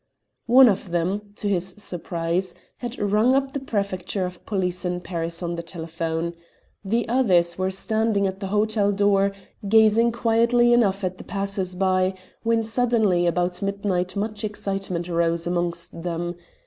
One of them, to his surprise, had rung up the Prefecture of Police in Paris on the telephone. The others were standing at the hotel door, gazing quietly enough at the passers by, when suddenly about midnight much excitement rose amongst them.